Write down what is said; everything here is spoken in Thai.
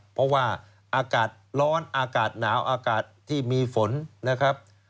เพราะว่าอากาศร้อนอากาศหนาวอากาศที่มีฝนนะครับ